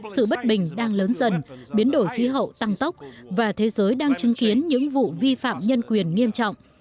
sự bất bình đang lớn dần biến đổi khí hậu tăng tốc và thế giới đang chứng kiến những vụ vi phạm nhân quyền nghiêm trọng